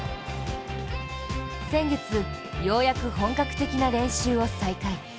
先月、ようやく本格的な練習を再開。